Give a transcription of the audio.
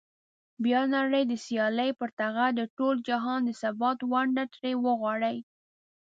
بیا نړۍ د سیالۍ پر ټغر د ټول جهان د ثبات ونډه ترې وغواړي.